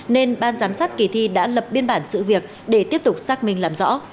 nên ban giám sát kỳ thi đã lập biên bản sự việc để tiếp tục xác minh làm rõ